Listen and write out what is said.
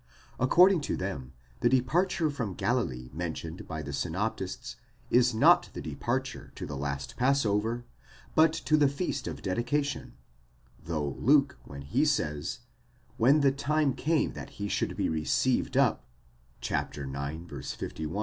According to them, the departure from Galilee mentioned by the synoptists, is not the departure to the last Passover, but to the feast of dedica tion ;" though Luke, when he says, when the time came that he should be received up, ἐν τῷ συμπληροῦσθαι τὰς ἡμέρας τῆς ἀναλήψεως αὐτοῦ (ix.